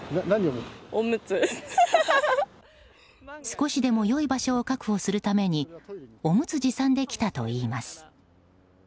少しでも良い場所を確保するためにおむつ持参で来たといいます。